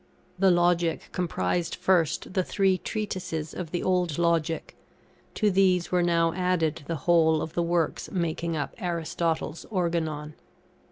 The Logic comprised first the three Treatises of the Old Logic; to these were now added the whole of the works making up Aristotle's Organon.